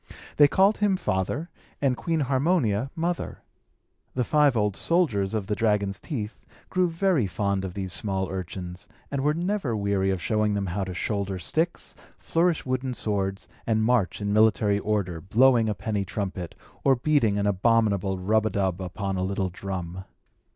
They called him father, and Queen Harmonia mother. The five old soldiers of the dragon's teeth grew very fond of these small urchins, and were never weary of showing them how to shoulder sticks, flourish wooden swords, and march in military order, blowing a penny trumpet, or beating an abominable rub a dub upon a little drum.